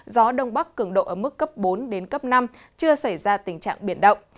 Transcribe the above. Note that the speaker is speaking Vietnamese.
gió đông bắc cường độ ở mức cấp bốn đến cấp năm chưa xảy ra tình trạng biển động